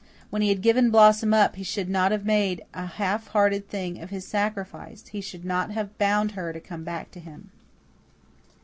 When he had given Blossom up he should not have made a half hearted thing of his sacrifice he should not have bound her to come back to him.